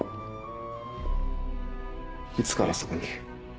いつからそこに？